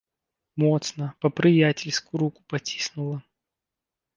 Моцна, па-прыяцельску руку паціснула.